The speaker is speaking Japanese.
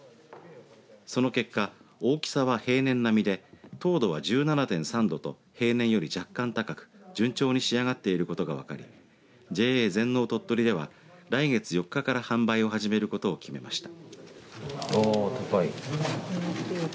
その結果、大きさは平年並みで糖度は１７．３度と平年より若干高く順調に仕上がっていることが分かりＪＡ全農とっとりでは来月４日から販売を始めることを決めました。